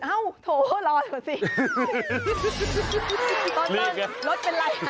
แล้วตอนนั้นรถเป็นไร